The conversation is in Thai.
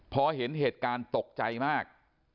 พอเห็นเหตุการณ์ตกใจมาก